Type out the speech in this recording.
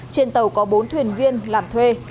trên tàu có bốn thuyền viên làm thuê